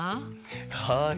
はい。